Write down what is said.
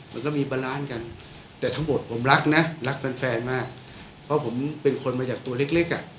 มันก็มีบาลานซ์กันแต่ทั้งหมดผมรักนะรักแฟนแฟนมากเพราะผมเป็นคนมาจากตัวเล็กเล็กอ่ะ